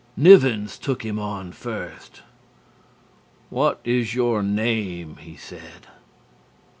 Nivens took him on first. "What is your name?" he said.